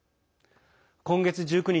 今月１９日。